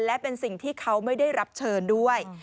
และเป็นสิ่งที่เขาไม่ได้รับเชิญด้วย